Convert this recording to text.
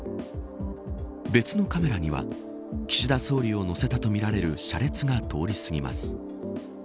別のカメラには岸田総理を乗せたとみられる車列が通り過ぎます。